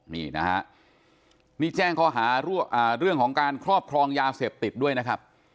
นี่นะฮะนี่แจ้งข้อหาเรื่องของการครอบครองยาเสพติดด้วยนะครับ